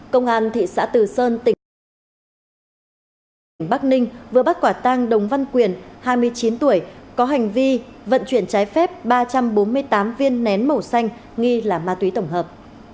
công an thị xã từ sơn tỉnh bắc ninh tỉnh bắc ninh vừa bắt quả tang đồng văn quyền hai mươi chín tuổi có hành vi vận chuyển trái phép ba trăm bốn mươi tám viên nén màu xanh nghi là ma túy tổng hợp